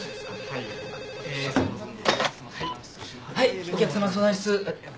☎はいお客様相談室うっ。